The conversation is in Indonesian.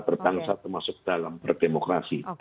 berbangsa termasuk dalam berdemokrasi